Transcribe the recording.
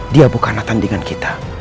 dia bukanlah tandingan kita